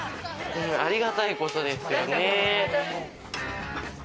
ありがたいことですよね。